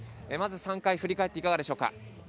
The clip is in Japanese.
まず３回振り返っていかがでしょうか。